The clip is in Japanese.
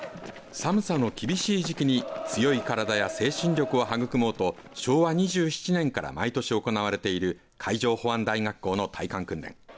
寒さの厳しい時期に強い体や精神力を育もうと昭和２７年から毎年行われている海上保安大学校の耐寒訓練。